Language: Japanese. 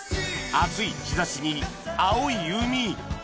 暑い日差しに青い海